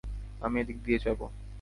আমি এদিক দিয়ে যাবো।